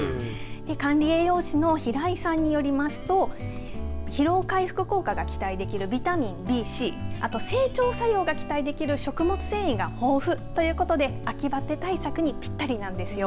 管理栄養士の平井さんによりますと疲労回復効果が期待できるビタミンＢ、Ｃあと、整腸作用が期待できる食物繊維が豊富ということで秋バテ対策にぴったりなんですよ。